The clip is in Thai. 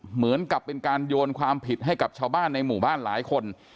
เหมือนกับเป็นการโยนความผิดให้กับชาวบ้านในหมู่บ้านหลายคน